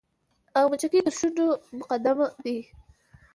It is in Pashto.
او مچکې تر شونډو مقدم دې